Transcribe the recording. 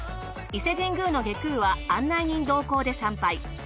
伊勢神宮の外宮は案内人同行で参拝。